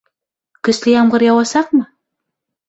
Көслө ямғыр яуасаҡмы?